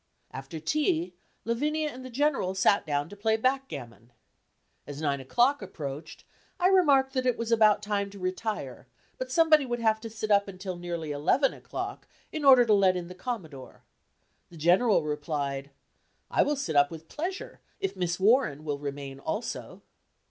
After tea Lavinia and the General sat down to play backgammon. As nine o'clock approached, I remarked that it was about time to retire, but somebody would have to sit up until nearly eleven o'clock, in order to let in the Commodore. The General replied: "I will sit up with pleasure, if Miss Warren will remain also."